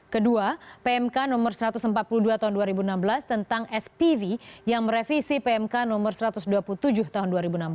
kedua pmk no satu ratus empat puluh dua tahun dua ribu enam belas tentang spv yang merevisi pmk no satu ratus dua puluh tujuh tahun dua ribu enam belas